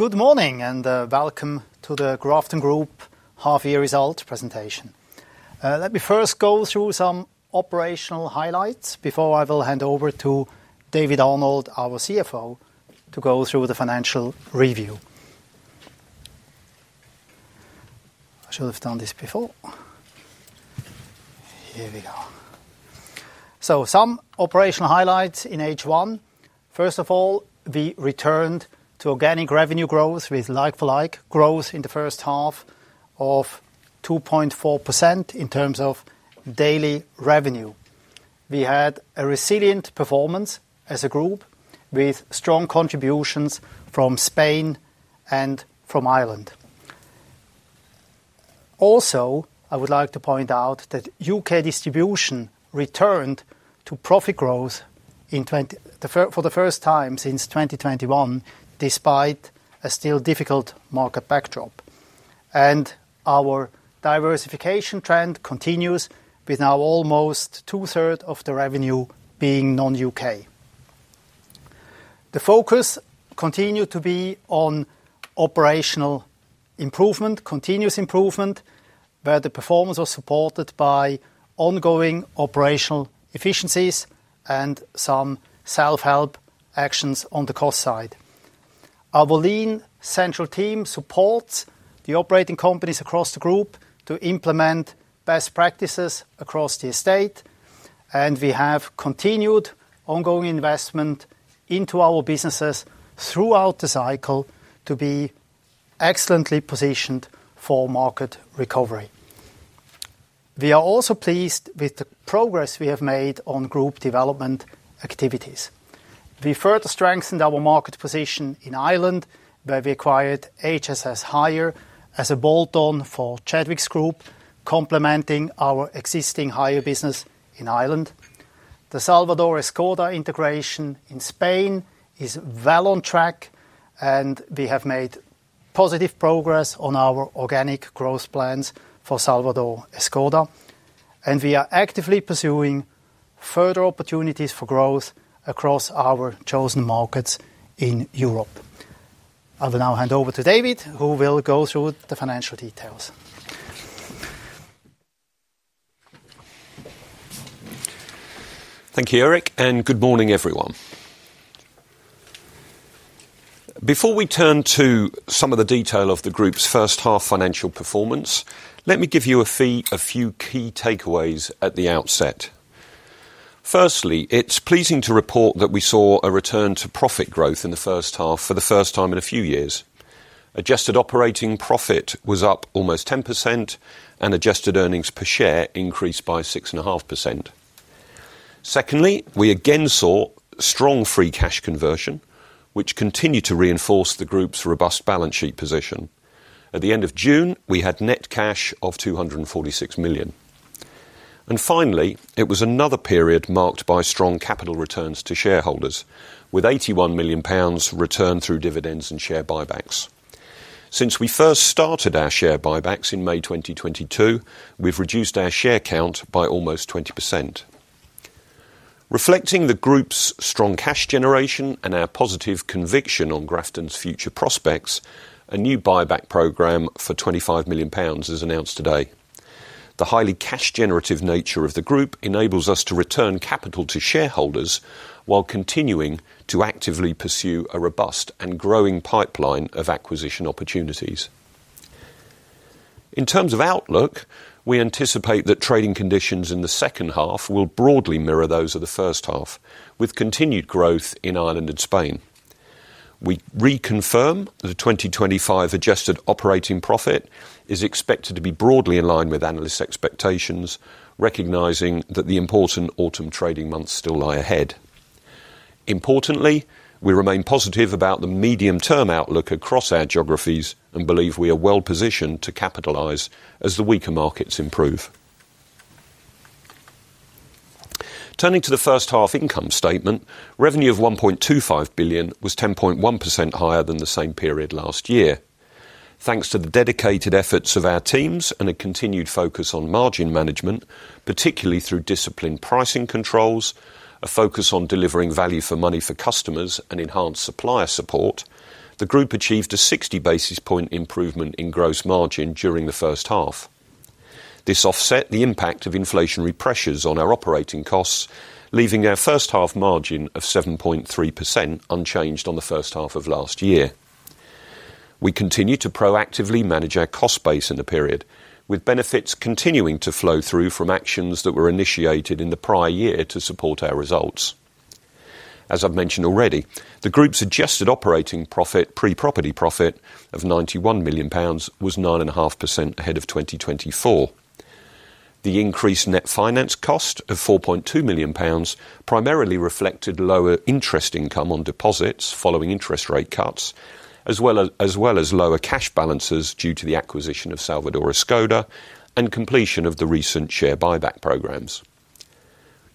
Good morning, and welcome to the Grafton Group half-year result presentation. Let me first go through some operational highlights before I will hand over to David Arnold, our CFO, to go through the financial review. I should have done this before. Here we go. So some operational highlights in H1. First of all, we returned to organic revenue growth, with like-for-like growth in the first half of 2.4% in terms of daily revenue. We had a resilient performance as a group, with strong contributions from Spain and from Ireland. Also, I would like to point out that U.K. distribution returned to profit growth in 2024 for the first time since 2021, despite a still difficult market backdrop. Our diversification trend continues, with now almost 2/3 of the revenue being non-U.K. The focus continued to be on operational improvement, continuous improvement, where the performance was supported by ongoing operational efficiencies and some self-help actions on the cost side. Our lean central team supports the operating companies across the group to implement best practices across the estate, and we have continued ongoing investment into our businesses throughout the cycle to be excellently positioned for market recovery. We are also pleased with the progress we have made on group development activities. We further strengthened our market position in Ireland, where we acquired HSS Hire as a bolt-on for Chadwicks Group, complementing our existing hire business in Ireland. The Salvador Escoda integration in Spain is well on track, and we have made positive progress on our organic growth plans for Salvador Escoda, and we are actively pursuing further opportunities for growth across our chosen markets in Europe. I will now hand over to David, who will go through the financial details. Thank you, Eric, and good morning, everyone. Before we turn to some of the detail of the group's first half financial performance, let me give you a few key takeaways at the outset. Firstly, it's pleasing to report that we saw a return to profit growth in the first half for the first time in a few years. Adjusted operating profit was up almost 10%, and adjusted earnings per share increased by 6.5%. Secondly, we again saw strong free cash conversion, which continued to reinforce the group's robust balance sheet position. At the end of June, we had net cash of 246 million. And finally, it was another period marked by strong capital returns to shareholders, with 81 million pounds returned through dividends and share buybacks. Since we first started our share buybacks in May 2022, we've reduced our share count by almost 20%. Reflecting the group's strong cash generation and our positive conviction on Grafton's future prospects, a new buyback program for 25 million pounds is announced today. The highly cash-generative nature of the group enables us to return capital to shareholders while continuing to actively pursue a robust and growing pipeline of acquisition opportunities. In terms of outlook, we anticipate that trading conditions in the second half will broadly mirror those of the first half, with continued growth in Ireland and Spain. We reconfirm the 2025 adjusted operating profit is expected to be broadly in line with analysts' expectations, recognizing that the important autumn trading months still lie ahead. Importantly, we remain positive about the medium-term outlook across our geographies and believe we are well positioned to capitalize as the weaker markets improve. Turning to the first half income statement, revenue of 1.25 billion was 10.1% higher than the same period last year. Thanks to the dedicated efforts of our teams and a continued focus on margin management, particularly through disciplined pricing controls, a focus on delivering value for money for customers, and enhanced supplier support, the group achieved a 60 basis point improvement in gross margin during the first half. This offset the impact of inflationary pressures on our operating costs, leaving our first half margin of 7.3% unchanged on the first half of last year. We continued to proactively manage our cost base in the period, with benefits continuing to flow through from actions that were initiated in the prior year to support our results. As I've mentioned already, the group's adjusted operating profit, pre-property profit of 91 million pounds, was 9.5% ahead of 2024. The increased net finance cost of 4.2 million pounds primarily reflected lower interest income on deposits following interest rate cuts, as well as lower cash balances due to the acquisition of Salvador Escoda and completion of the recent share buyback programs.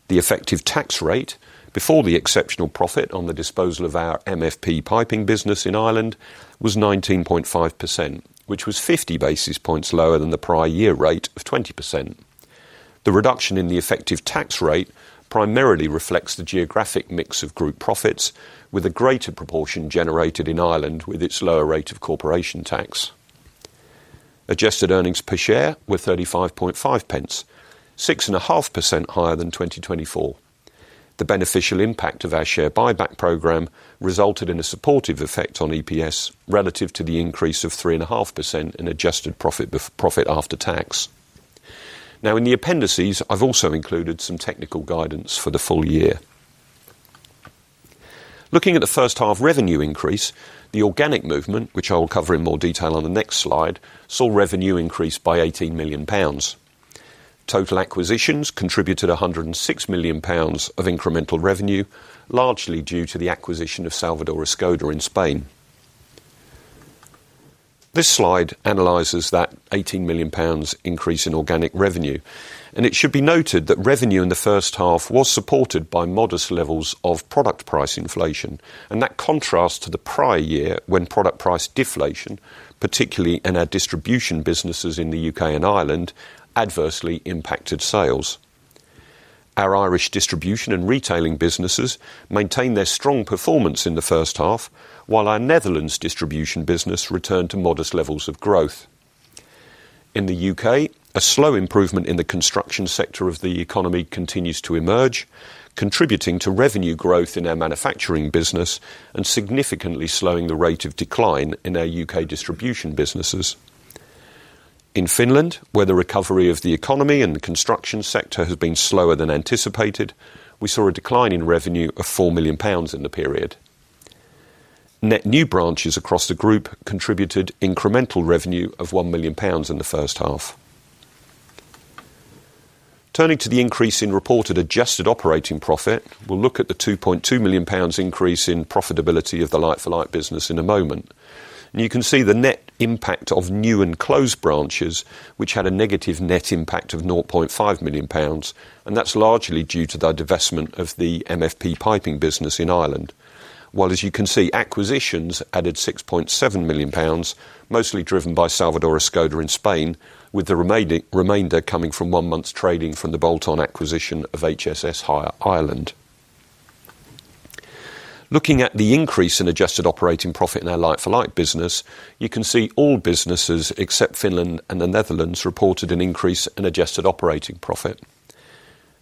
The effective tax rate before the exceptional profit on the disposal of our MFP Piping business in Ireland was 19.5%, which was 50 basis points lower than the prior year rate of 20%. The reduction in the effective tax rate primarily reflects the geographic mix of group profits, with a greater proportion generated in Ireland, with its lower rate of corporation tax. Adjusted earnings per share were GBX 35.5, 6.5% higher than 2024. The beneficial impact of our share buyback program resulted in a supportive effect on EPS relative to the increase of 3.5% in adjusted profit after tax. Now, in the appendices, I've also included some technical guidance for the full year. Looking at the first half revenue increase, the organic movement, which I will cover in more detail on the next slide, saw revenue increase by 18 million pounds. Total acquisitions contributed 106 million pounds of incremental revenue, largely due to the acquisition of Salvador Escoda in Spain. This slide analyzes that 18 million pounds increase in organic revenue, and it should be noted that revenue in the first half was supported by modest levels of product price inflation, and that contrasts to the prior year, when product price deflation, particularly in our distribution businesses in the U.K. and Ireland, adversely impacted sales. Our Irish distribution and retailing businesses maintained their strong performance in the first half, while our Netherlands distribution business returned to modest levels of growth. In the U.K., a slow improvement in the construction sector of the economy continues to emerge, contributing to revenue growth in our manufacturing business and significantly slowing the rate of decline in our U.K. distribution businesses. In Finland, where the recovery of the economy and the construction sector has been slower than anticipated, we saw a decline in revenue of 4 million pounds in the period. Net new branches across the group contributed incremental revenue of 1 million pounds in the first half. Turning to the increase in reported adjusted operating profit, we'll look at the 2.2 million pounds increase in profitability of the like-for-like business in a moment, and you can see the net impact of new and closed branches, which had a negative net impact of 0.5 million pounds, and that's largely due to the divestment of the MFP Piping business in Ireland. While, as you can see, acquisitions added 6.7 million pounds, mostly driven by Salvador Escoda in Spain, with the remainder coming from one month's trading from the bolt-on acquisition of HSS Hire Ireland. Looking at the increase in adjusted operating profit in our like-for-like business, you can see all businesses, except Finland and the Netherlands, reported an increase in adjusted operating profit.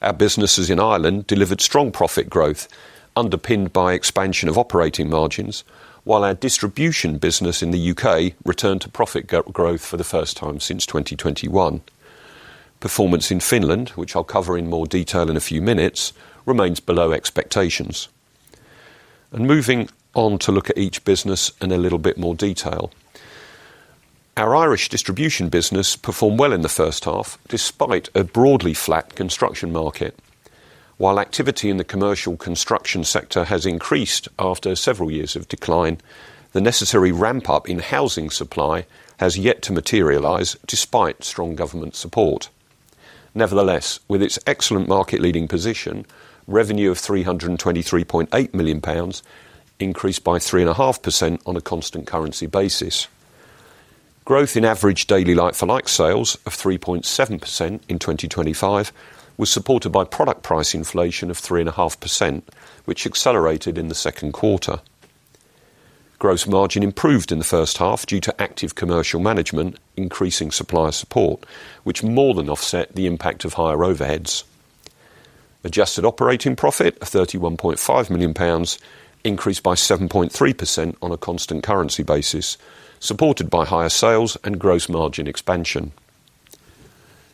Our businesses in Ireland delivered strong profit growth, underpinned by expansion of operating margins, while our distribution business in the U.K. returned to profit growth for the first time since 2021. Performance in Finland, which I'll cover in more detail in a few minutes, remains below expectations. Moving on to look at each business in a little bit more detail. Our Irish distribution business performed well in the first half, despite a broadly flat construction market. While activity in the commercial construction sector has increased after several years of decline, the necessary ramp-up in housing supply has yet to materialize, despite strong government support. Nevertheless, with its excellent market-leading position, revenue of 323.8 million pounds increased by 3.5% on a constant currency basis. Growth in average daily like-for-like sales of 3.7% in 2025 was supported by product price inflation of 3.5%, which accelerated in the second quarter. Gross margin improved in the first half due to active commercial management, increasing supplier support, which more than offset the impact of higher overheads. Adjusted operating profit of 31.5 million pounds increased by 7.3% on a constant currency basis, supported by higher sales and gross margin expansion.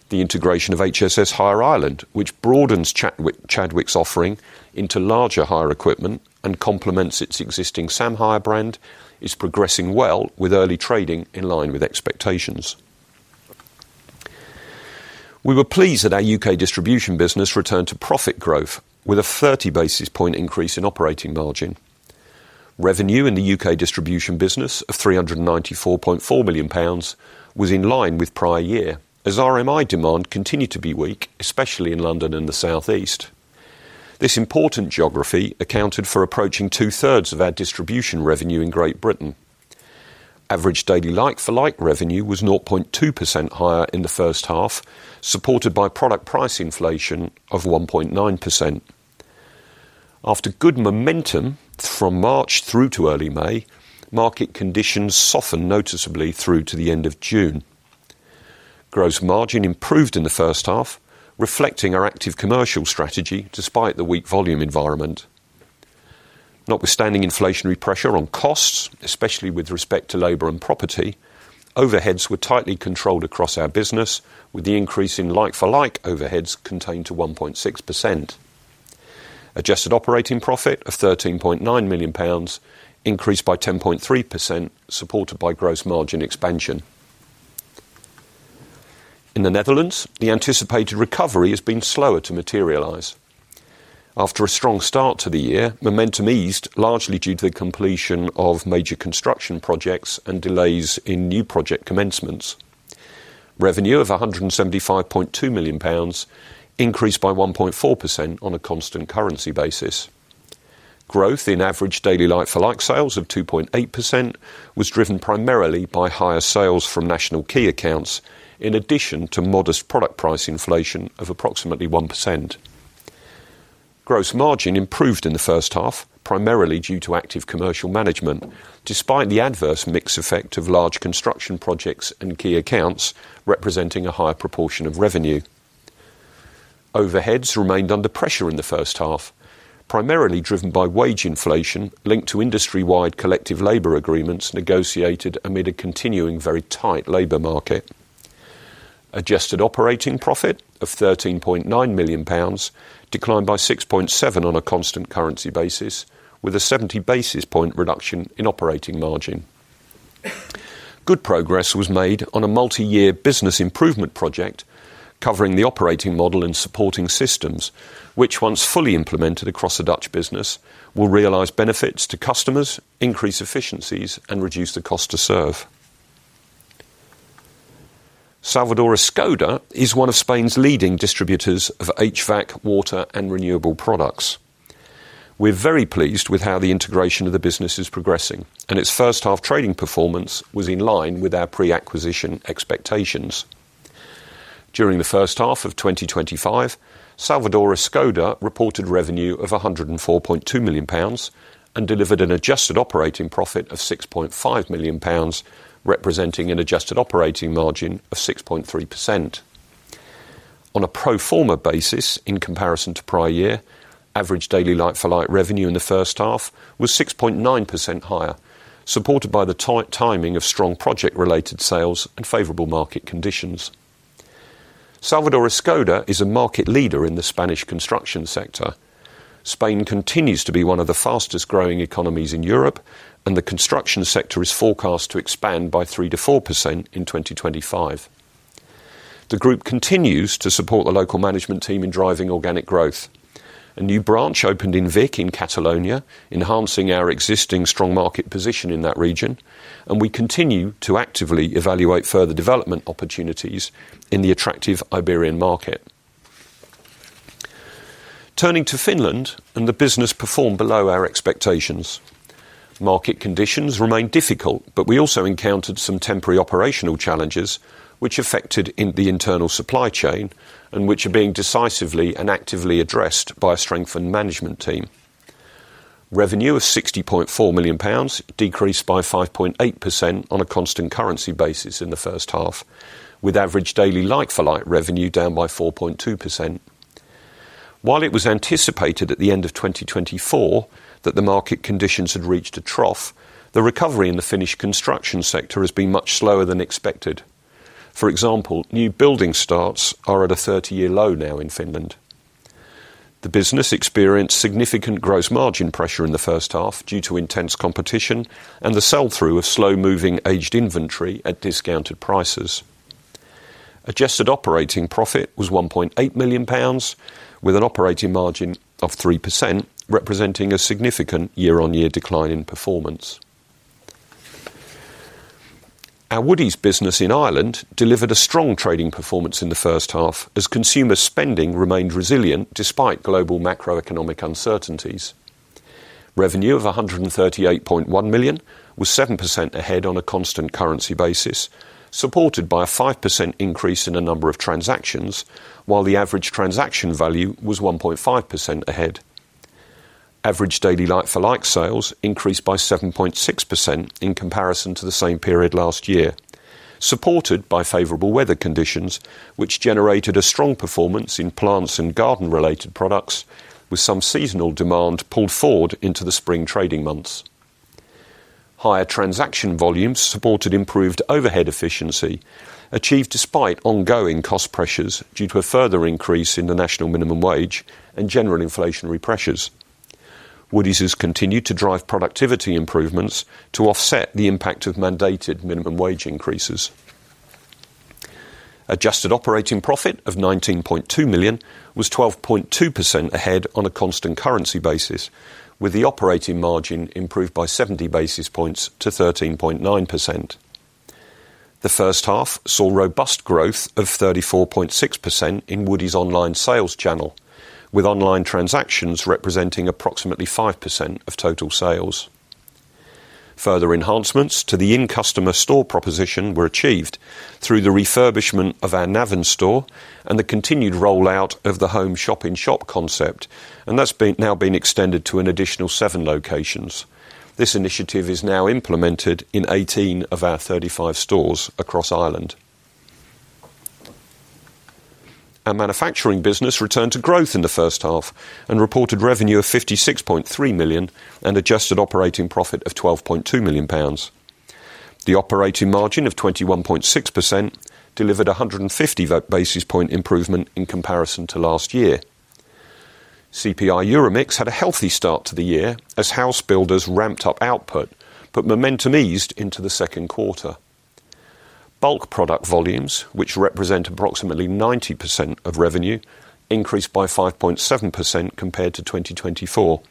The integration of HSS Hire Ireland, which broadens Chadwicks' offering into larger hire equipment and complements its existing Sam Hire brand, is progressing well with early trading in line with expectations. We were pleased that our U.K. distribution business returned to profit growth with a 30 basis points increase in operating margin. Revenue in the U.K. distribution business of 394.4 million pounds was in line with prior year, as RMI demand continued to be weak, especially in London and the Southeast. This important geography accounted for approaching 2/3 of our distribution revenue in Great Britain. Average daily like-for-like revenue was 0.2% higher in the first half, supported by product price inflation of 1.9%. After good momentum from March through to early May, market conditions softened noticeably through to the end of June. Gross margin improved in the first half, reflecting our active commercial strategy despite the weak volume environment. Notwithstanding inflationary pressure on costs, especially with respect to labor and property, overheads were tightly controlled across our business, with the increase in like-for-like overheads contained to 1.6%. Adjusted operating profit of 13.9 million pounds increased by 10.3%, supported by gross margin expansion. In the Netherlands, the anticipated recovery has been slower to materialize. After a strong start to the year, momentum eased, largely due to the completion of major construction projects and delays in new project commencements. Revenue of 175.2 million pounds increased by 1.4% on a constant currency basis. Growth in average daily like-for-like sales of 2.8% was driven primarily by higher sales from national key accounts, in addition to modest product price inflation of approximately 1%. Gross margin improved in the first half, primarily due to active commercial management, despite the adverse mix effect of large construction projects and key accounts, representing a higher proportion of revenue. Overheads remained under pressure in the first half, primarily driven by wage inflation linked to industry-wide collective labor agreements negotiated amid a continuing very tight labor market. Adjusted operating profit of 13.9 million pounds declined by 6.7 on a constant currency basis, with a 70 basis points reduction in operating margin. Good progress was made on a multi-year business improvement project, covering the operating model and supporting systems, which, once fully implemented across the Dutch business, will realize benefits to customers, increase efficiencies, and reduce the cost to serve. Salvador Escoda is one of Spain's leading distributors of HVAC, water, and renewable products. We're very pleased with how the integration of the business is progressing, and its first-half trading performance was in line with our pre-acquisition expectations. During the first half of 2025, Salvador Escoda reported revenue of 104.2 million pounds and delivered an adjusted operating profit of 6.5 million pounds, representing an adjusted operating margin of 6.3%. On a pro forma basis, in comparison to prior year, average daily like-for-like revenue in the first half was 6.9% higher, supported by the timing of strong project-related sales and favorable market conditions. Salvador Escoda is a market leader in the Spanish construction sector. Spain continues to be one of the fastest-growing economies in Europe, and the construction sector is forecast to expand by 3%-4% in 2025. The group continues to support the local management team in driving organic growth. A new branch opened in Vic, in Catalonia, enhancing our existing strong market position in that region, and we continue to actively evaluate further development opportunities in the attractive Iberian market. Turning to Finland, and the business performed below our expectations. Market conditions remained difficult, but we also encountered some temporary operational challenges, which affected the internal supply chain and which are being decisively and actively addressed by a strengthened management team. Revenue of 60.4 million pounds decreased by 5.8% on a constant currency basis in the first half, with average daily like-for-like revenue down by 4.2%. While it was anticipated at the end of 2024 that the market conditions had reached a trough, the recovery in the Finnish construction sector has been much slower than expected. For example, new building starts are at a 30-year low now in Finland. The business experienced significant gross margin pressure in the first half due to intense competition and the sell-through of slow-moving aged inventory at discounted prices. Adjusted operating profit was 1.8 million pounds, with an operating margin of 3%, representing a significant year-on-year decline in performance. Our Woodie's business in Ireland delivered a strong trading performance in the first half, as consumer spending remained resilient despite global macroeconomic uncertainties. Revenue of 138.1 million was 7% ahead on a constant currency basis, supported by a 5% increase in the number of transactions, while the average transaction value was 1.5% ahead. Average daily like-for-like sales increased by 7.6% in comparison to the same period last year, supported by favorable weather conditions, which generated a strong performance in plants and garden-related products, with some seasonal demand pulled forward into the spring trading months. Higher transaction volumes supported improved overhead efficiency, achieved despite ongoing cost pressures due to a further increase in the national minimum wage and general inflationary pressures. Woodie's has continued to drive productivity improvements to offset the impact of mandated minimum wage increases. Adjusted operating profit of 19.2 million was 12.2% ahead on a constant currency basis, with the operating margin improved by 70 basis points to 13.9%. The first half saw robust growth of 34.6% in Woodie's online sales channel, with online transactions representing approximately 5% of total sales. Further enhancements to the in-customer store proposition were achieved through the refurbishment of our Navan store and the continued rollout of the home shop-in-shop concept, and that's been extended to an additional seven locations. This initiative is now implemented in 18 of our 35 stores across Ireland. Our manufacturing business returned to growth in the first half and reported revenue of 56.3 million and adjusted operating profit of 12.2 million pounds. The operating margin of 21.6% delivered a 150 basis point improvement in comparison to last year. CPI EuroMix had a healthy start to the year as house builders ramped up output, but momentum eased into the second quarter. Bulk product volumes, which represent approximately 90% of revenue, increased by 5.7% compared to 2024,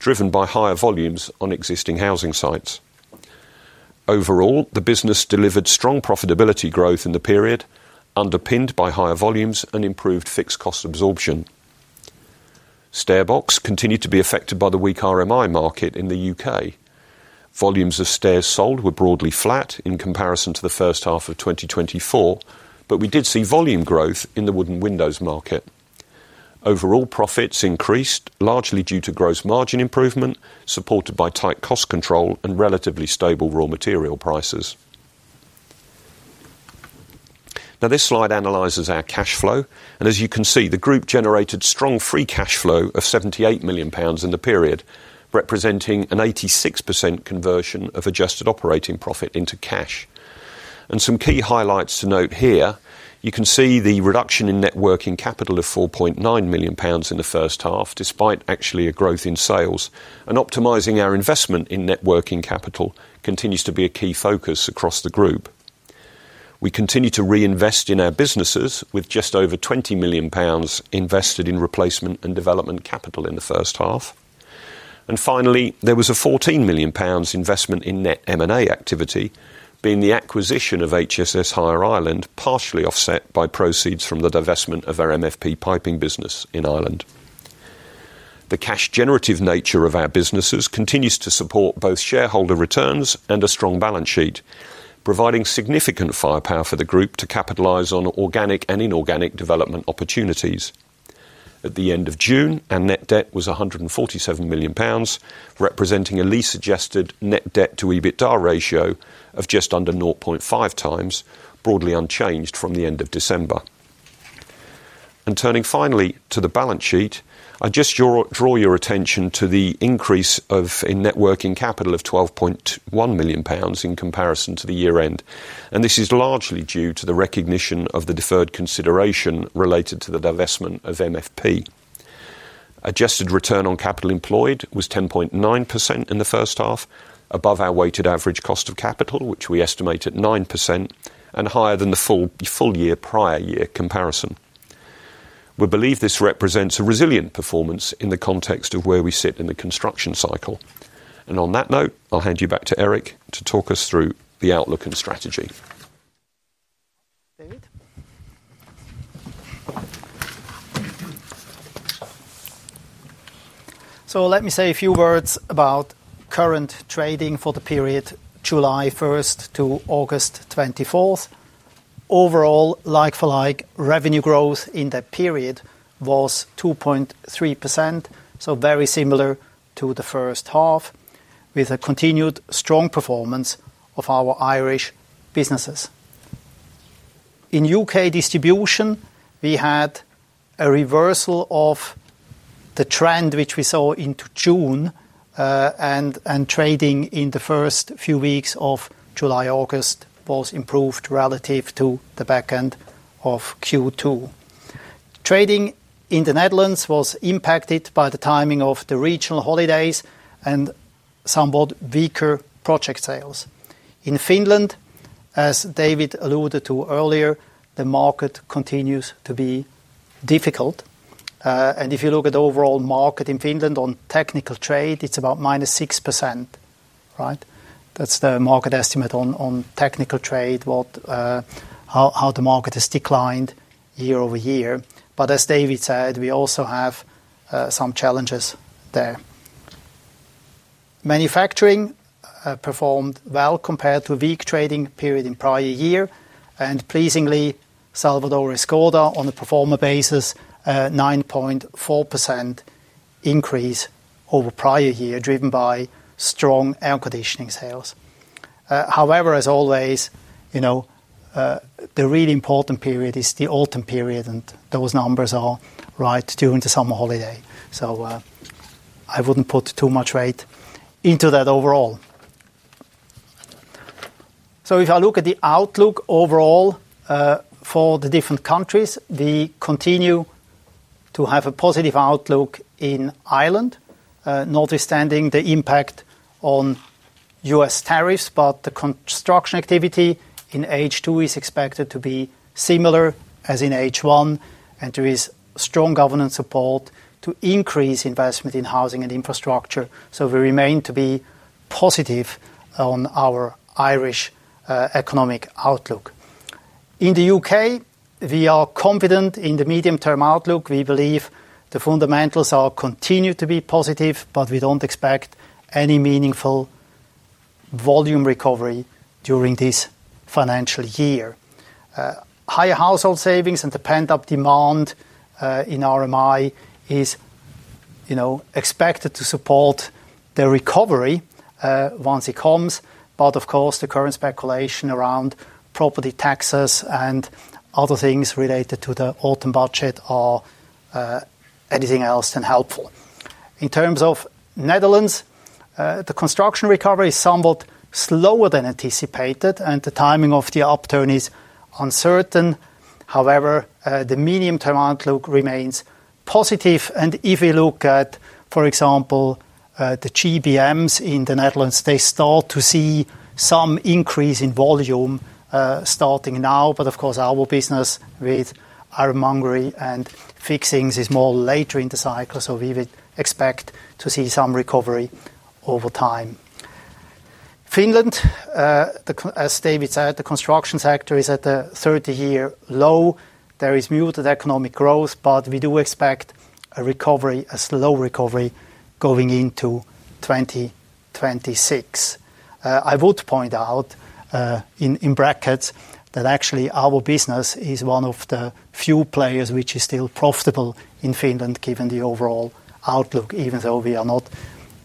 driven by higher volumes on existing housing sites. Overall, the business delivered strong profitability growth in the period, underpinned by higher volumes and improved fixed cost absorption. StairBox continued to be affected by the weak RMI market in the U.K. Volumes of stairs sold were broadly flat in comparison to the first half of 2024, but we did see volume growth in the wooden windows market. Overall profits increased largely due to gross margin improvement, supported by tight cost control and relatively stable raw material prices. Now, this slide analyzes our cash flow, and as you can see, the group generated strong free cash flow of 78 million pounds in the period, representing an 86% conversion of adjusted operating profit into cash, and some key highlights to note here, you can see the reduction in net working capital of 4.9 million pounds in the first half, despite actually a growth in sales. And optimizing our investment in net working capital continues to be a key focus across the group. We continue to reinvest in our businesses with just over 20 million pounds invested in replacement and development capital in the first half. And finally, there was a 14 million pounds investment in net M&A activity, being the acquisition of HSS Hire Ireland, partially offset by proceeds from the divestment of our MFP Piping business in Ireland. The cash generative nature of our businesses continues to support both shareholder returns and a strong balance sheet, providing significant firepower for the group to capitalize on organic and inorganic development opportunities. At the end of June, our net debt was 147 million pounds, representing a lease-adjusted net debt to EBITDA ratio of just under nought point five times, broadly unchanged from the end of December. Turning finally to the balance sheet, I just draw your attention to the increase of net working capital of 12.1 million pounds in comparison to the year end, and this is largely due to the recognition of the deferred consideration related to the divestment of MFP. Adjusted return on capital employed was 10.9% in the first half, above our weighted average cost of capital, which we estimate at 9%, and higher than the full year prior year comparison. We believe this represents a resilient performance in the context of where we sit in the construction cycle. On that note, I'll hand you back to Eric to talk us through the outlook and strategy. So let me say a few words about current trading for the period July first to August 24th. Overall, like-for-like revenue growth in that period was 2.3%, so very similar to the first half, with a continued strong performance of our Irish businesses. In U.K. distribution, we had a reversal of the trend, which we saw into June, and trading in the first few weeks of July, August, was improved relative to the back end of Q2. Trading in the Netherlands was impacted by the timing of the regional holidays and somewhat weaker project sales. In Finland, as David alluded to earlier, the market continues to be difficult. And if you look at the overall market in Finland on technical trade, it's about -6%, right? That's the market estimate on technical trade. Now, how the market has declined year-over-year. But as David said, we also have some challenges there. Manufacturing performed well compared to weak trading period in prior year, and pleasingly, Salvador Escoda, on a pro forma basis, 9.4% increase over prior year, driven by strong air conditioning sales. However, as always, you know, the really important period is the autumn period, and those numbers are right during the summer holiday. So I wouldn't put too much weight into that overall. So if I look at the outlook overall for the different countries, we continue to have a positive outlook in Ireland, notwithstanding the impact on U.S. tariffs, but the construction activity in H2 is expected to be similar as in H1, and there is strong government support to increase investment in housing and infrastructure. So we remain to be positive on our Irish economic outlook. In the U.K., we are confident in the medium-term outlook. We believe the fundamentals are continued to be positive, but we don't expect any meaningful volume recovery during this financial year. Higher household savings and the pent-up demand in RMI is, you know, expected to support the recovery once it comes. But of course, the current speculation around property taxes and other things related to the autumn budget are anything else than helpful. In terms of the Netherlands, the construction recovery is somewhat slower than anticipated, and the timing of the upturn is uncertain. However, the medium-term outlook remains positive, and if we look at, for example, the GBMs in the Netherlands, they start to see some increase in volume starting now. But of course, our business with ironmongery and fixings is more later in the cycle, so we would expect to see some recovery over time. Finland, as David said, the construction sector is at a 30-year low. There is muted economic growth, but we do expect a recovery, a slow recovery, going into 2026. I would point out, in brackets, that actually our business is one of the few players which is still profitable in Finland, given the overall outlook, even though we are not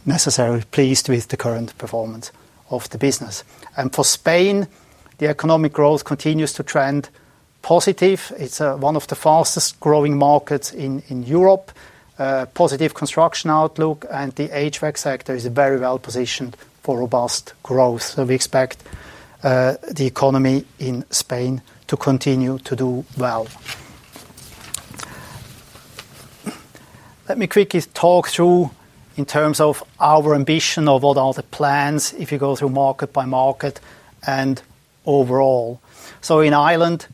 necessarily pleased with the current performance of the business. And for Spain, the economic growth continues to trend positive. It's one of the fastest-growing markets in Europe. Positive construction outlook, and the HVAC sector is very well positioned for robust growth. So we expect, the economy in Spain to continue to do well. Let me quickly talk through in terms of our ambition of what are the plans if you go through market by market and overall. So in Ireland,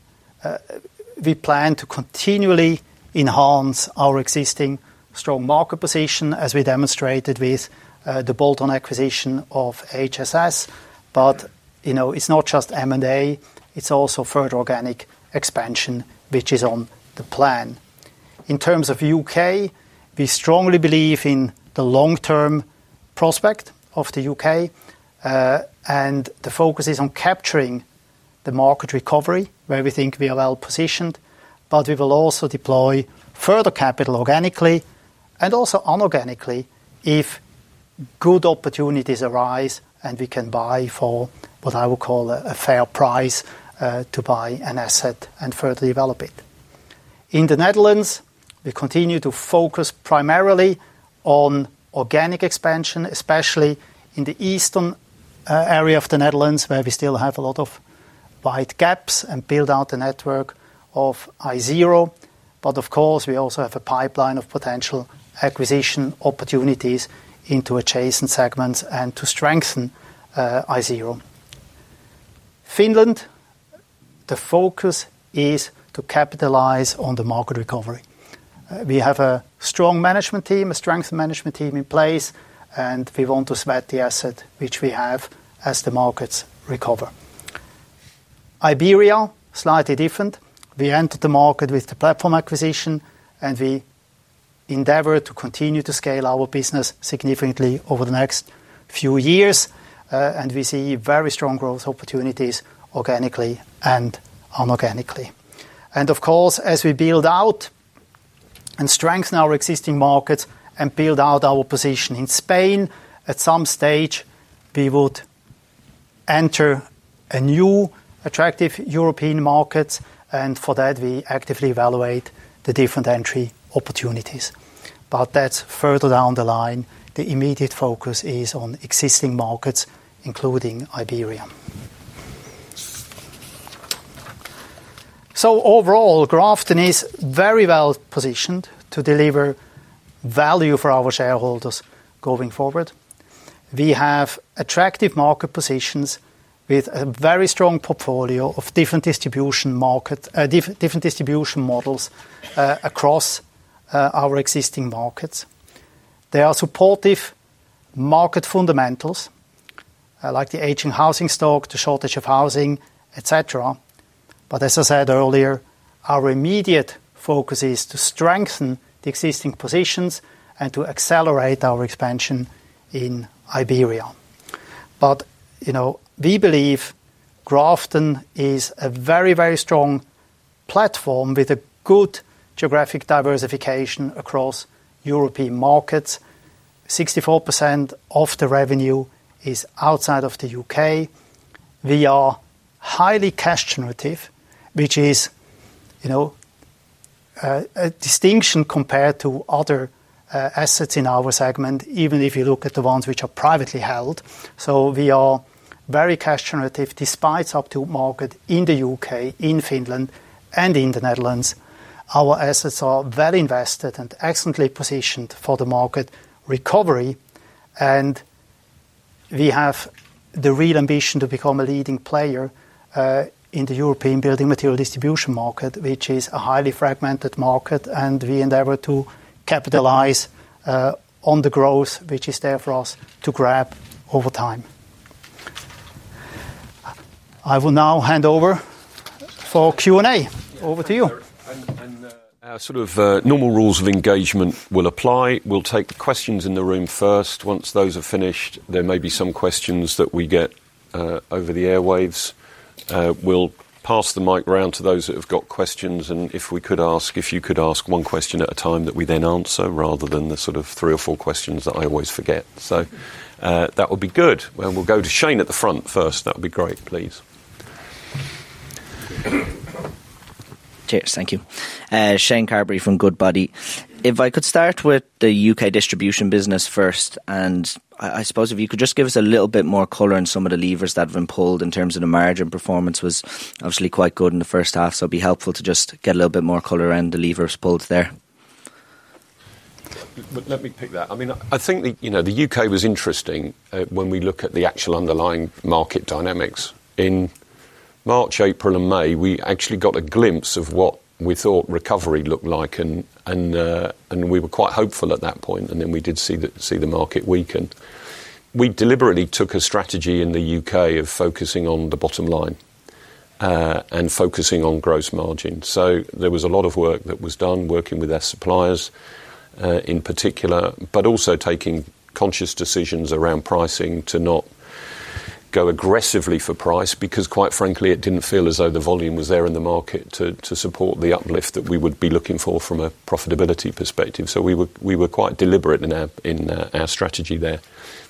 we plan to continually enhance our existing strong market position, as we demonstrated with the bolt-on acquisition of HSS. But, you know, it's not just M&A, it's also further organic expansion, which is on the plan. In terms of U.K., we strongly believe in the long-term prospect of the U.K., and the focus is on capturing the market recovery, where we think we are well positioned, but we will also deploy further capital organically and also inorganically if good opportunities arise, and we can buy for, what I would call, a fair price to buy an asset and further develop it. In the Netherlands, we continue to focus primarily on organic expansion, especially in the eastern area of the Netherlands, where we still have a lot of wide gaps and build out the network of Isero. But of course, we also have a pipeline of potential acquisition opportunities into adjacent segments and to strengthen Isero. Finland, the focus is to capitalize on the market recovery. We have a strong management team in place, and we want to sweat the asset which we have as the markets recover. Iberia, slightly different. We entered the market with the platform acquisition, and we endeavor to continue to scale our business significantly over the next few years, and we see very strong growth opportunities organically and inorganically. And of course, as we build out and strengthen our existing markets and build out our position in Spain, at some stage, we would enter a new attractive European market, and for that, we actively evaluate the different entry opportunities. But that's further down the line. The immediate focus is on existing markets, including Iberia. So overall, Grafton is very well positioned to deliver value for our shareholders going forward. We have attractive market positions with a very strong portfolio of different distribution models across our existing markets. There are supportive market fundamentals, like the aging housing stock, the shortage of housing, etcetera. But as I said earlier, our immediate focus is to strengthen the existing positions and to accelerate our expansion in Iberia. But, you know, we believe Grafton is a very, very strong platform with a good geographic diversification across European markets. 64% of the revenue is outside of the U.K. We are highly cash generative, which is, you know, a distinction compared to other assets in our segment, even if you look at the ones which are privately held. So we are very cash generative, despite up to market in the U.K., in Finland, and in the Netherlands. Our assets are well invested and excellently positioned for the market recovery, and we have the real ambition to become a leading player in the European building material distribution market, which is a highly fragmented market, and we endeavor to capitalize on the growth, which is there for us to grab over time. I will now hand over for Q&A. Over to you. Sort of normal rules of engagement will apply. We'll take the questions in the room first. Once those are finished, there may be some questions that we get over the airwaves. We'll pass the mic around to those that have got questions. If you could ask one question at a time that we then answer, rather than the sort of three or four questions that I always forget. That would be good. We'll go to Shane at the front first. That would be great, please. Cheers. Thank you. Shane Carberry from Goodbody. If I could start with the U.K. distribution business first, and I suppose if you could just give us a little bit more color on some of the levers that have been pulled in terms of the margin performance was obviously quite good in the first half, so it'd be helpful to just get a little bit more color around the levers pulled there. Let me pick that. I mean, I think the, you know, the U.K. was interesting when we look at the actual underlying market dynamics. In March, April, and May, we actually got a glimpse of what we thought recovery looked like, and we were quite hopeful at that point, and then we did see the market weaken. We deliberately took a strategy in the U.K. of focusing on the bottom line and focusing on gross margin. So there was a lot of work that was done working with our suppliers, in particular, but also taking conscious decisions around pricing to not go aggressively for price, because, quite frankly, it didn't feel as though the volume was there in the market to support the uplift that we would be looking for from a profitability perspective. So we were quite deliberate in our strategy there.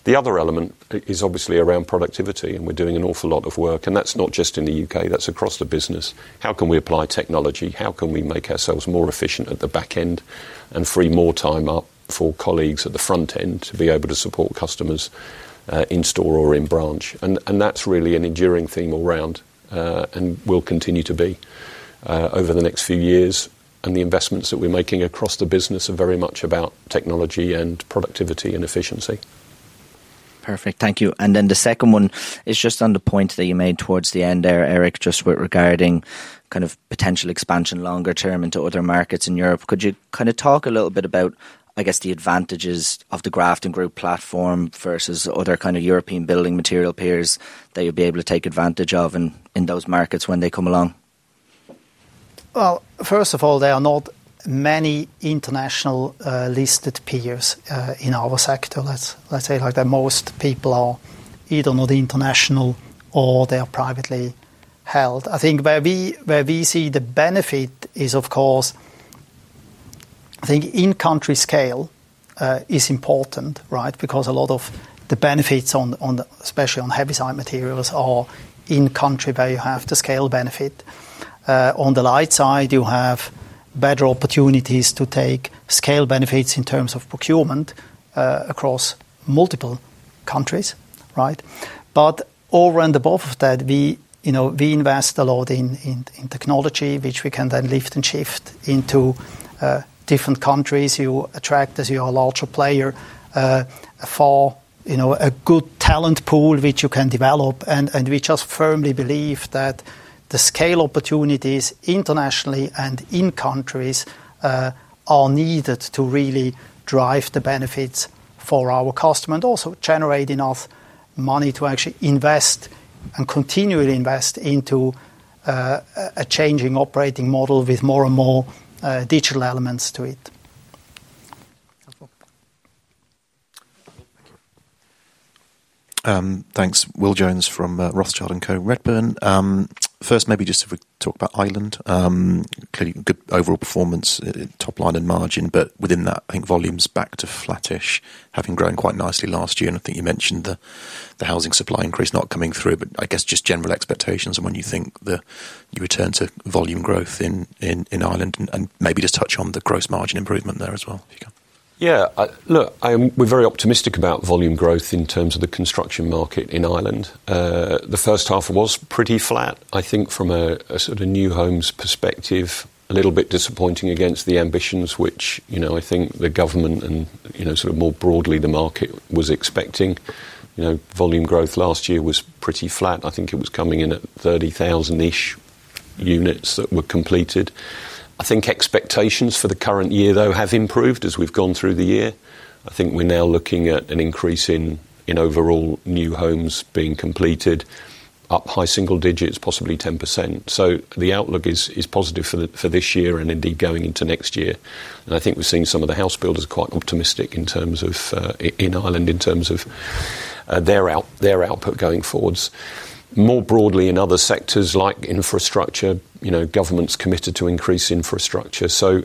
The other element is obviously around productivity, and we're doing an awful lot of work, and that's not just in the U.K., that's across the business. How can we apply technology? How can we make ourselves more efficient at the back end and free more time up for colleagues at the front end to be able to support customers in store or in branch? And that's really an enduring theme around and will continue to be over the next few years. And the investments that we're making across the business are very much about technology and productivity and efficiency. Perfect. Thank you. And then the second one is just on the point that you made towards the end there, Eric, just with regard to kind of potential expansion longer term into other markets in Europe. Could you kind of talk a little bit about, I guess, the advantages of the Grafton Group platform versus other kind of European building material peers that you'll be able to take advantage of in, in those markets when they come along? First of all, there are not many international, listed peers, in our sector. Let's say, like, the most people are either not international or they are privately held. I think where we see the benefit is, of course... I think in-country scale is important, right? Because a lot of the benefits, especially on heavy side materials, are in country where you have the scale benefit. On the light side, you have better opportunities to take scale benefits in terms of procurement, across multiple countries, right? But over and above that, you know, we invest a lot in technology, which we can then lift and shift into different countries. You attract, as you are a larger player, for, you know, a good talent pool, which you can develop. We just firmly believe that the scale opportunities internationally and in countries are needed to really drive the benefits for our customer, and also generate enough money to actually invest and continually invest into a changing operating model with more and more digital elements to it. Thanks. Will Jones from Rothschild & Co Redburn. First, maybe just if we talk about Ireland. Clearly good overall performance, top line and margin, but within that, I think volume's back to flattish, having grown quite nicely last year. And I think you mentioned the housing supply increase not coming through, but I guess just general expectations and when you think you return to volume growth in Ireland, and maybe just touch on the gross margin improvement there as well, if you can. Yeah, look, we're very optimistic about volume growth in terms of the construction market in Ireland. The first half was pretty flat. I think from a sort of new homes perspective, a little bit disappointing against the ambitions, which, you know, I think the government and, you know, sort of more broadly, the market was expecting. You know, volume growth last year was pretty flat. I think it was coming in at 30,000-sh units that were completed. I think expectations for the current year, though, have improved as we've gone through the year. I think we're now looking at an increase in overall new homes being completed, up high single digits, possibly 10%. So the outlook is positive for this year and indeed going into next year. And I think we're seeing some of the house builders quite optimistic in terms of in Ireland, in terms of their output going forwards. More broadly, in other sectors like infrastructure, you know, government's committed to increase infrastructure. So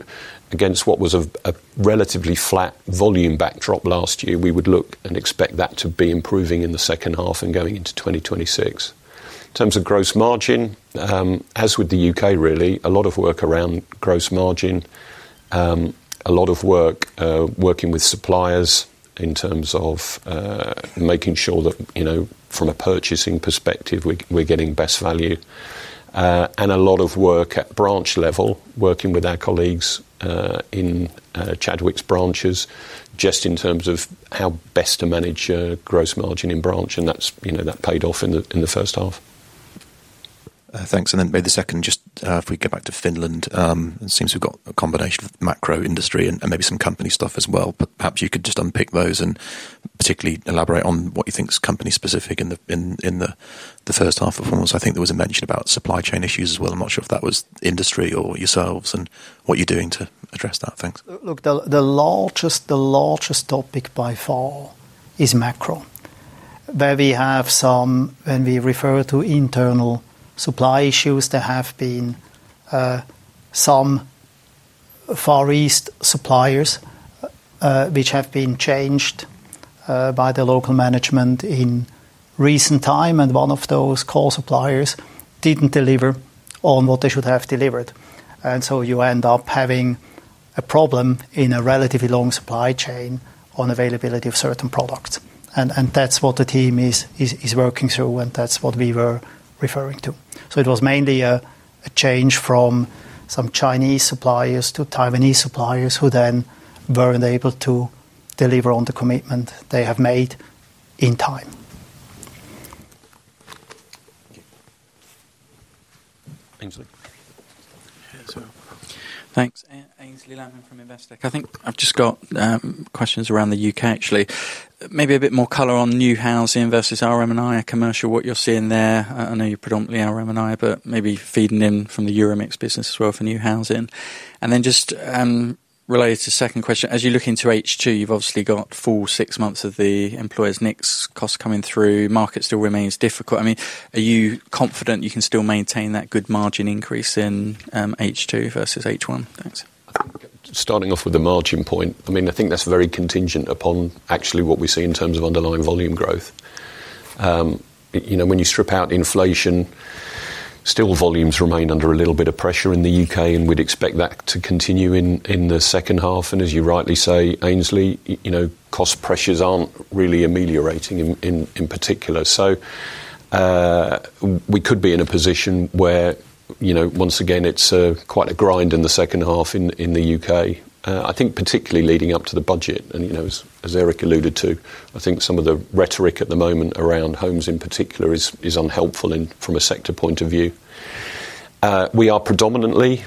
against what was a relatively flat volume backdrop last year, we would look and expect that to be improving in the second half and going into 2026. In terms of gross margin, as with the U.K., really, a lot of work around gross margin. A lot of work working with suppliers in terms of making sure that, you know, from a purchasing perspective, we're getting best value. And a lot of work at branch level, working with our colleagues in Chadwicks branches, just in terms of how best to manage gross margin in branch, and that's, you know, that paid off in the first half. Thanks. And then maybe the second, just, if we go back to Finland, it seems we've got a combination of macro industry and maybe some company stuff as well, but perhaps you could just unpick those and particularly elaborate on what you think is company specific in the first half performance. I think there was a mention about supply chain issues as well. I'm not sure if that was industry or yourselves, and what you're doing to address that. Thanks. Look, the largest topic by far is macro, where we have some, when we refer to internal supply issues, there have been some Far East suppliers which have been changed by the local management in recent time, and one of those core suppliers didn't deliver on what they should have delivered. And that's what the team is working through, and that's what we were referring to. So it was mainly a change from some Chinese suppliers to Taiwanese suppliers, who then weren't able to deliver on the commitment they have made in time. Aynsley? Yeah, so thanks. Aynsley Lammin from Investec. I think I've just got questions around the U.K., actually. Maybe a bit more color on new housing versus RMI commercial, what you're seeing there. I know you're predominantly RMI, but maybe feeding in from the EuroMix business as well for new housing. And then just related to the second question, as you look into H2, you've obviously got full six months of the employers' NICs costs coming through, market still remains difficult. I mean, are you confident you can still maintain that good margin increase in H2 versus H1? Thanks. I think starting off with the margin point, I mean, I think that's very contingent upon actually what we see in terms of underlying volume growth. You know, when you strip out inflation, still volumes remain under a little bit of pressure in the U.K., and we'd expect that to continue in the second half. And as you rightly say, Aynsley, you know, cost pressures aren't really ameliorating in particular. So, we could be in a position where, you know, once again, it's quite a grind in the second half in the U.K. I think particularly leading up to the budget, and, you know, as Eric alluded to, I think some of the rhetoric at the moment around homes, in particular, is unhelpful in, from a sector point of view. We are predominantly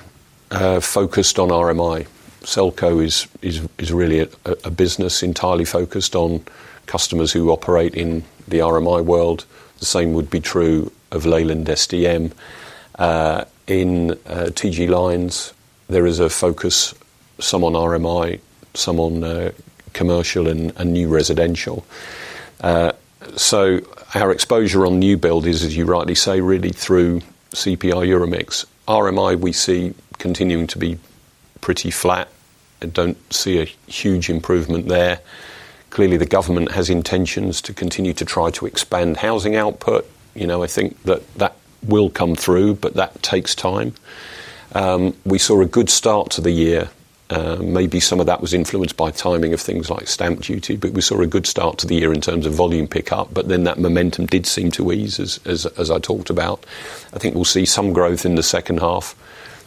focused on RMI. Selco is really a business entirely focused on customers who operate in the RMI world. The same would be true of Leyland SDM. In TG Lynes, there is a focus, some on RMI, some on commercial and new residential. So our exposure on new build is, as you rightly say, really through CPI EuroMix. RMI, we see continuing to be pretty flat, and don't see a huge improvement there. Clearly, the government has intentions to continue to try to expand housing output. You know, I think that will come through, but that takes time. We saw a good start to the year. Maybe some of that was influenced by timing of things like stamp duty, but we saw a good start to the year in terms of volume pickup, but then that momentum did seem to ease as I talked about. I think we'll see some growth in the second half,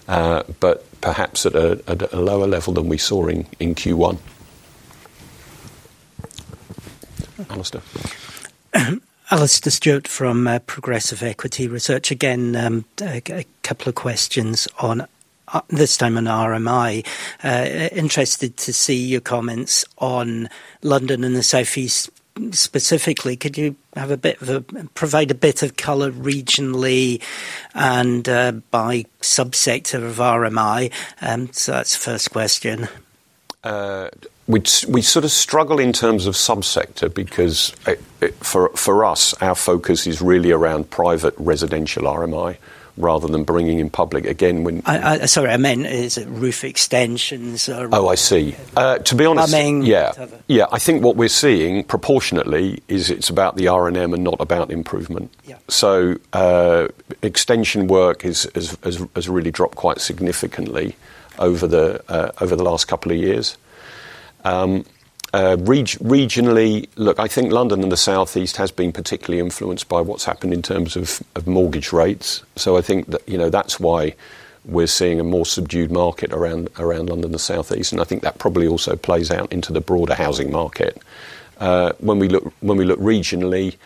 but perhaps at a lower level than we saw in Q1. Alistair. Alastair Stewart from Progressive Equity Research. Again, a couple of questions on, this time, on RMI. Interested to see your comments on London and the Southeast specifically. Could you provide a bit of color regionally and by sub-sector of RMI? So that's the first question. We sort of struggle in terms of subsector because for us, our focus is really around private residential RMI, rather than bringing in public. Again, when Sorry, I meant is it roof extensions? Oh, I see. To be honest. Plumbing. Yeah. Yeah, I think what we're seeing proportionately is it's about the R&M and not about improvement. Yeah. So, extension work has really dropped quite significantly over the last couple of years. Regionally, look, I think London and the Southeast has been particularly influenced by what's happened in terms of mortgage rates. So I think that, you know, that's why we're seeing a more subdued market around London and the Southeast, and I think that probably also plays out into the broader housing market. When we look regionally,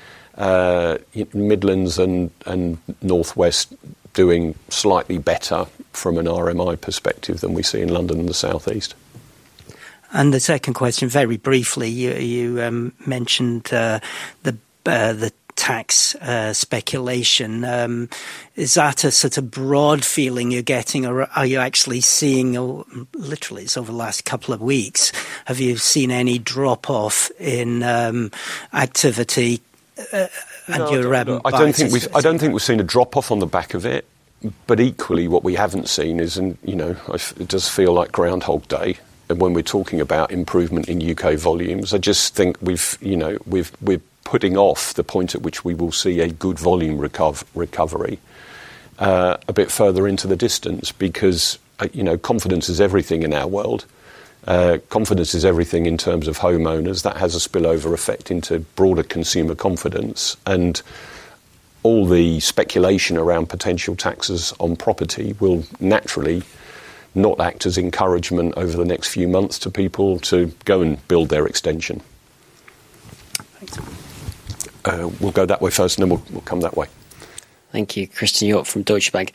Midlands and Northwest doing slightly better from an RMI perspective than we see in London and the Southeast. And the second question, very briefly, you mentioned the tax speculation. Is that a sort of broad feeling you're getting, or are you actually seeing literally it's over the last couple of weeks, have you seen any drop-off in activity, and your clients. I don't think we've seen a drop-off on the back of it, but equally, what we haven't seen is, and, you know, it does feel like Groundhog Day, and when we're talking about improvement in U.K. volumes, I just think we've, you know, we're putting off the point at which we will see a good volume recovery, a bit further into the distance because, you know, confidence is everything in our world. Confidence is everything in terms of homeowners. That has a spillover effect into broader consumer confidence, and all the speculation around potential taxes on property will naturally not act as encouragement over the next few months to people to go and build their extension. Thanks. We'll go that way first, and then we'll come that way. Thank you. Christen Hjorth from Deutsche Bank.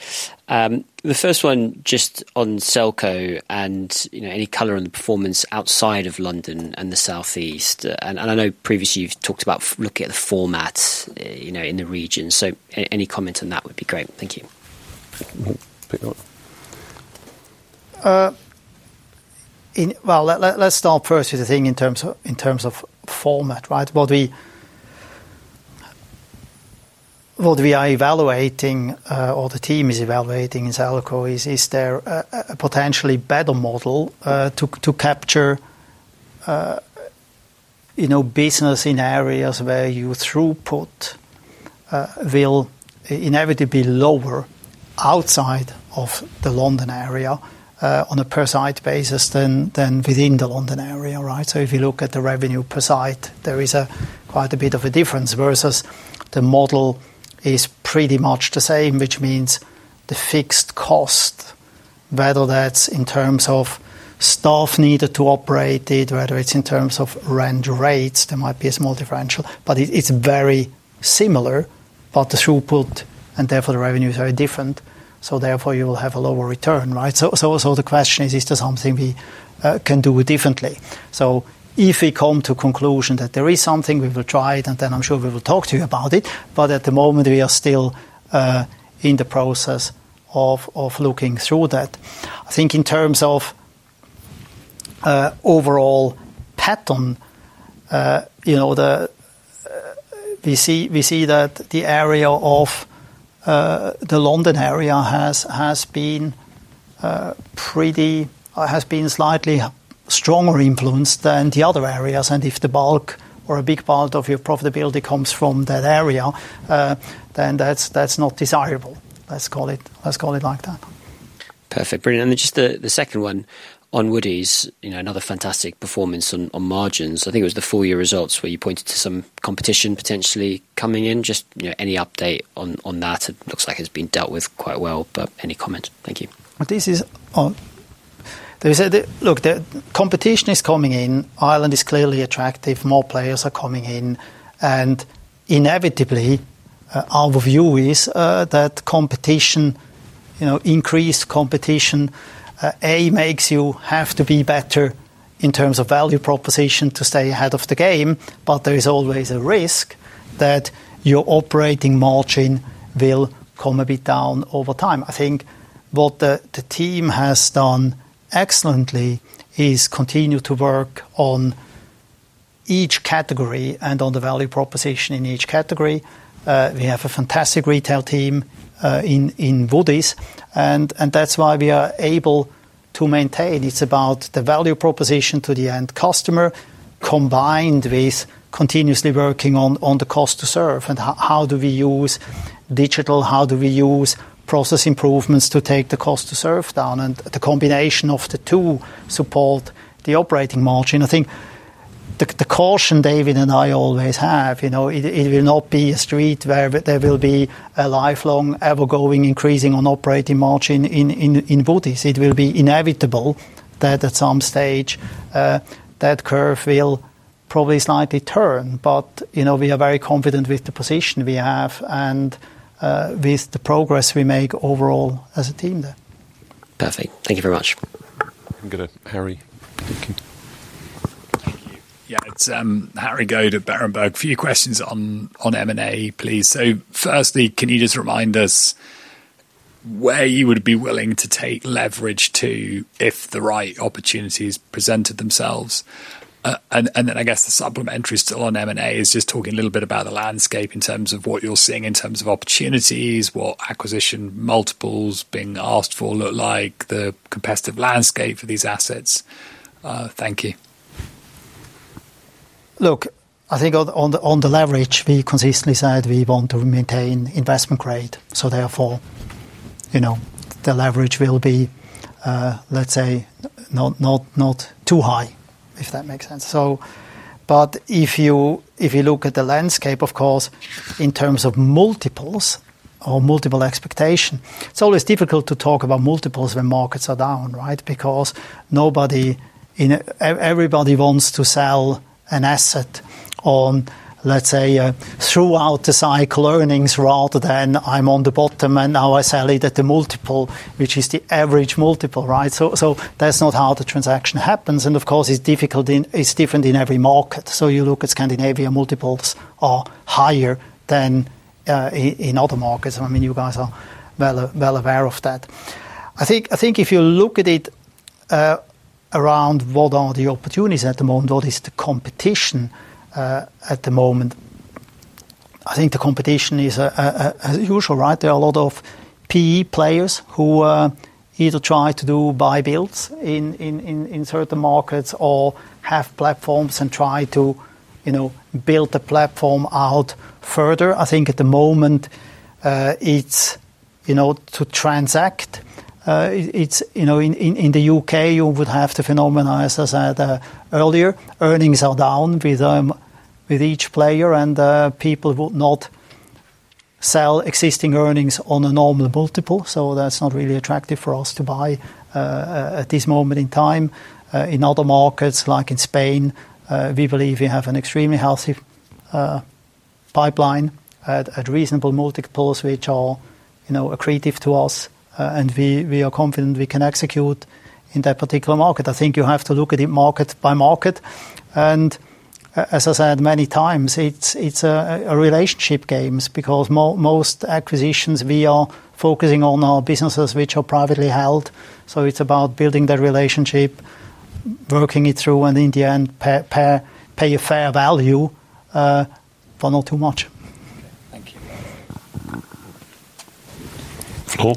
The first one, just on Selco and, you know, any color on the performance outside of London and the Southeast. And I know previously you've talked about looking at the formats, you know, in the region, so any comment on that would be great. Thank you. Mm-hmm. Eric? Well, let's start first with the thing in terms of format, right? What we are evaluating, or the team is evaluating in Selco is, is there a potentially better model to capture, you know, business in areas where your throughput will inevitably be lower outside of the London area, on a per site basis than within the London area, right? So if you look at the revenue per site, there is quite a bit of a difference, versus the model is pretty much the same, which means the fixed cost. whether that's in terms of staff needed to operate it, whether it's in terms of rent rates, there might be a small differential, but it, it's very similar, but the throughput and therefore the revenue is very different, so therefore you will have a lower return, right? So the question is, is there something we can do differently? So if we come to conclusion that there is something, we will try it, and then I'm sure we will talk to you about it. But at the moment, we are still in the process of looking through that. I think in terms of overall pattern, you know, the we see that the area of the London area has been slightly stronger influenced than the other areas, and if the bulk or a big part of your profitability comes from that area, then that's not desirable. Let's call it like that. Perfect. Brilliant. And then just the second one on Woodie's, you know, another fantastic performance on margins. I think it was the full year results where you pointed to some competition potentially coming in. Just, you know, any update on that? It looks like it's been dealt with quite well, but any comment? Thank you. The competition is coming in. Ireland is clearly attractive. More players are coming in, and inevitably our view is that competition, you know, increased competition makes you have to be better in terms of value proposition to stay ahead of the game, but there is always a risk that your operating margin will come a bit down over time. I think what the team has done excellently is continue to work on each category and on the value proposition in each category. We have a fantastic retail team in Woodie's, and that's why we are able to maintain. It's about the value proposition to the end customer, combined with continuously working on, on the cost to serve, and how, how do we use digital, how do we use process improvements to take the cost to serve down, and the combination of the two support the operating margin. I think the caution David and I always have, you know, it will not be a straight where there will be a lifelong, ever-increasing operating margin in Woodie's. It will be inevitable that at some stage, that curve will probably slightly turn. But you know, we are very confident with the position we have and with the progress we make overall as a team there. Perfect. Thank you very much. I'm gonna Harry. Thank you. Thank you. Yeah, it's Harry Goad of Berenberg. A few questions on M&A, please. So firstly, can you just remind us where you would be willing to take leverage to if the right opportunities presented themselves? And then, I guess the supplementary still on M&A is just talking a little bit about the landscape in terms of what you're seeing, in terms of opportunities, what acquisition multiples being asked for look like, the competitive landscape for these assets. Thank you. Look, I think on the leverage, we consistently said we want to maintain investment grade, so therefore, you know, the leverage will be, let's say not too high, if that makes sense. So. But if you look at the landscape, of course, in terms of multiples or multiple expectation, it's always difficult to talk about multiples when markets are down, right? Because everybody wants to sell an asset on, let's say, throughout the cycle earnings, rather than I'm on the bottom, and now I sell it at the multiple, which is the average multiple, right? So that's not how the transaction happens, and of course, it's difficult, it's different in every market. So you look at Scandinavia, multiples are higher than in other markets. I mean, you guys are well aware of that. I think, I think if you look at it, around what are the opportunities at the moment, what is the competition, at the moment? I think the competition is, as usual, right? There are a lot of PE players who either try to do buy builds in certain markets or have platforms and try to, you know, build the platform out further. I think at the moment, it's, you know, to transact, it, it's, you know. In the U.K., you would have the phenomenons as I had, earlier. Earnings are down with each player, and people would not sell existing earnings on a normal multiple, so that's not really attractive for us to buy, at this moment in time. In other markets, like in Spain, we believe we have an extremely healthy pipeline at reasonable multiples, which are, you know, accretive to us, and we are confident we can execute in that particular market. I think you have to look at it market by market, and as I said many times, it's a relationship game because most acquisitions we are focusing on are businesses which are privately held. So it's about building that relationship, working it through, and in the end, pay, pay, pay a fair value, but not too much. Thank you. Flor?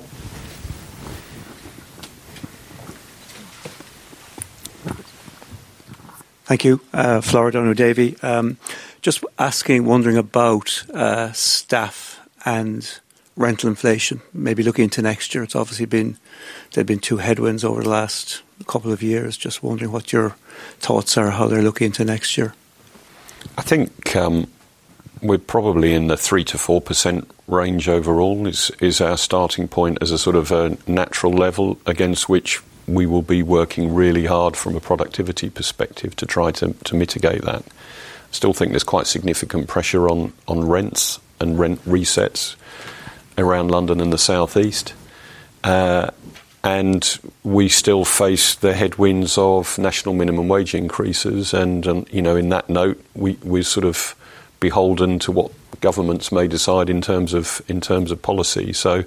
Thank you. Flor O'Donoghue, Davy. Just asking, wondering about staff and rental inflation, maybe looking into next year. It's obviously been. There've been two headwinds over the last couple of years. Just wondering what your thoughts are, how they're looking into next year? I think, we're probably in the 3%-4% range overall is our starting point as a sort of a natural level against which we will be working really hard from a productivity perspective to try to mitigate that. I still think there's quite significant pressure on rents and rent resets around London and the Southeast. And we still face the headwinds of national minimum wage increases, and, you know, in that note, we're sort of beholden to what governments may decide in terms of policy. So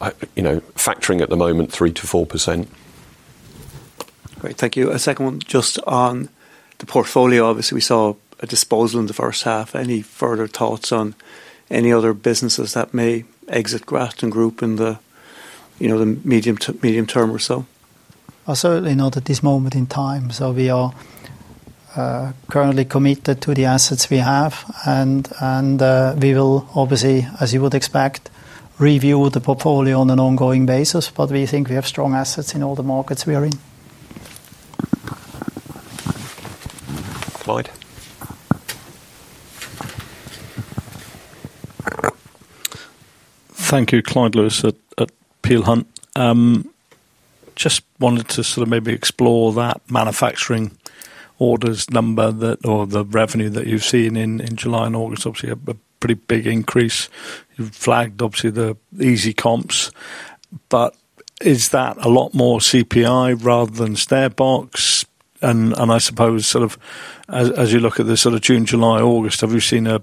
I, you know, factoring at the moment, 3%-4%. Great, thank you. A second one, just on the portfolio, obviously, we saw a disposal in the first half. Any further thoughts on any other businesses that may exit Grafton Group in the, you know, the medium term or so? Certainly not at this moment in time. We are currently committed to the assets we have, and we will obviously, as you would expect, review the portfolio on an ongoing basis, but we think we have strong assets in all the markets we are in. Clyde? Thank you. Clyde Lewis at Peel Hunt. Just wanted to sort of maybe explore that manufacturing orders number that or the revenue that you've seen in July and August, obviously a pretty big increase. You've flagged, obviously, the easy comps, but is that a lot more CPI rather than StairBox? And I suppose sort of as you look at the sort of June, July, August, have you seen an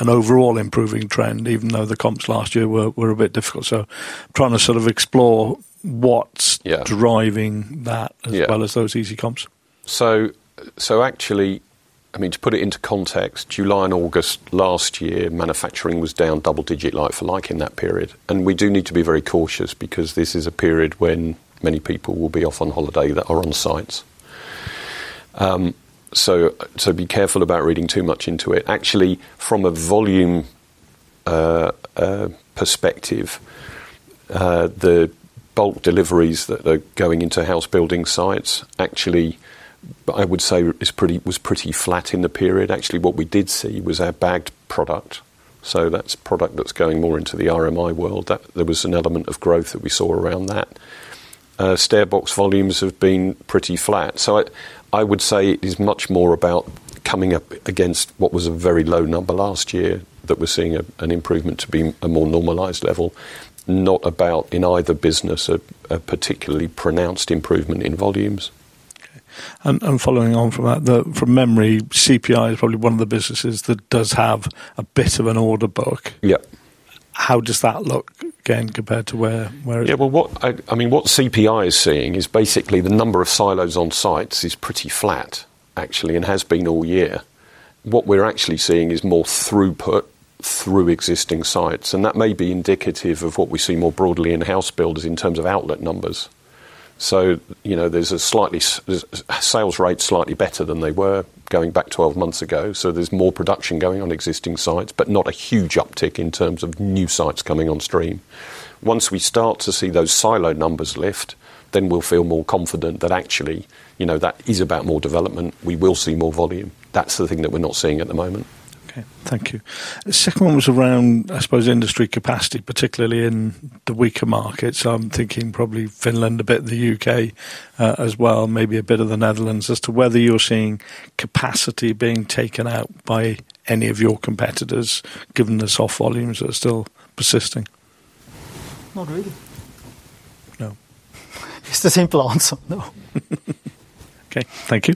overall improving trend, even though the comps last year were a bit difficult? So trying to sort of explore what's driving that as well as those easy comps. So actually, I mean, to put it into context, July and August last year, manufacturing was down double digit, like for like in that period. And we do need to be very cautious because this is a period when many people will be off on holiday that are on sites. So be careful about reading too much into it. Actually, from a volume perspective, the bulk deliveries that are going into house building sites, actually, I would say is pretty, was pretty flat in the period. Actually, what we did see was our bagged product, so that's product that's going more into the RMI world, that there was an element of growth that we saw around that. StairBox volumes have been pretty flat. I would say it is much more about coming up against what was a very low number last year, that we're seeing an improvement to a more normalized level, not about, in either business, a particularly pronounced improvement in volumes. Okay. Following on from that, from memory, CPI is probably one of the businesses that does have a bit of an order book. Yeah. How does that look again, compared to where it. Yeah, well, I mean, what CPI is seeing is basically the number of silos on sites is pretty flat, actually, and has been all year. What we're actually seeing is more throughput through existing sites, and that may be indicative of what we see more broadly in house builders in terms of outlet numbers. So, you know, the sales rate's slightly better than they were going back twelve months ago, so there's more production going on existing sites, but not a huge uptick in terms of new sites coming on stream. Once we start to see those silo numbers lift, then we'll feel more confident that actually, you know, that is about more development. We will see more volume. That's the thing that we're not seeing at the moment. Okay, thank you. The second one was around, I suppose, industry capacity, particularly in the weaker markets. I'm thinking probably Finland, a bit of the U.K., as well, maybe a bit of the Netherlands, as to whether you're seeing capacity being taken out by any of your competitors, given the soft volumes that are still persisting? Not really. No. It's the simple answer, no. Okay, thank you.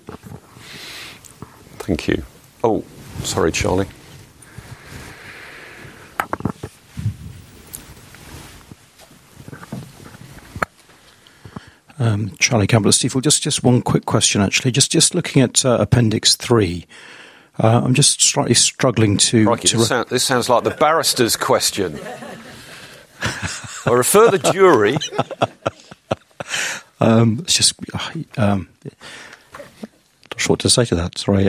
Thank you. Oh, sorry, Charlie? Charlie Campbell at Stifel. Just one quick question, actually. Just looking at appendix three, I'm just slightly struggling to. Crikey, this sounds like the barrister's question. I refer the jury. It's just, not sure what to say to that, sorry.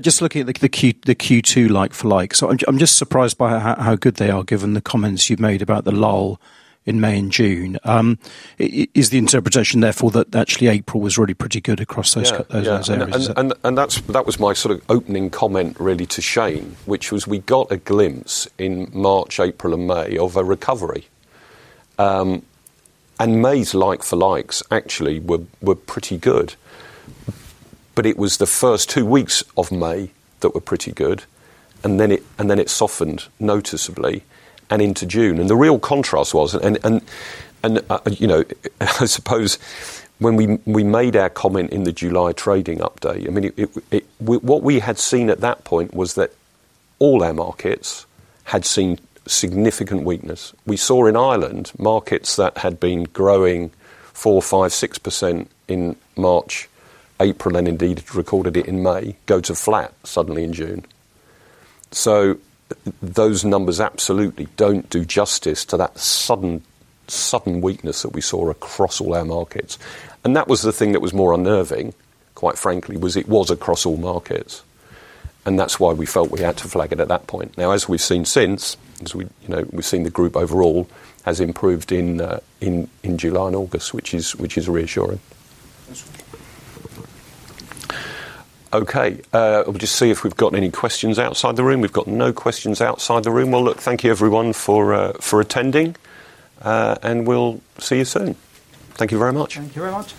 Just looking at the Q2 like-for-like. So I'm just surprised by how good they are, given the comments you've made about the lull in May and June. Is the interpretation therefore that actually April was really pretty good across those areas? Yeah. And that's what was my sort of opening comment, really, to Shane, which was we got a glimpse in March, April, and May of a recovery. And May's like-for-likes actually were pretty good, but it was the first two weeks of May that were pretty good, and then it softened noticeably and into June. And the real contrast was, you know, I suppose when we made our comment in the July trading update, I mean, what we had seen at that point was that all our markets had seen significant weakness. We saw in Ireland, markets that had been growing 4%, 5%, 6% in March, April, and indeed recorded it in May, go to flat suddenly in June. So those numbers absolutely don't do justice to that sudden, sudden weakness that we saw across all our markets. And that was the thing that was more unnerving, quite frankly, was it was across all markets, and that's why we felt we had to flag it at that point. Now, as we've seen since, you know, the group overall has improved in July and August, which is reassuring. Okay, we'll just see if we've got any questions outside the room. We've got no questions outside the room. Well, look, thank you everyone for attending, and we'll see you soon. Thank you very much. Thank you very much.